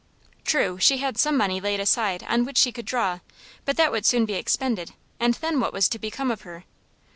True, she had some money laid aside on which she could draw, but that would soon be expended, and then what was to become of her?